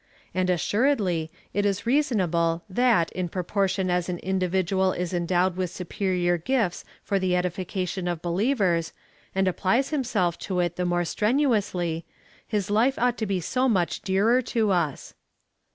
And assuredly, it is reasonable, that, in proportion as an indi vidual is endowed with superior gifts for the edification of believers, and applies himself to it the more strenuously, his life ought to be so much dearer to us.